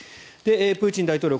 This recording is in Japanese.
プーチン大統領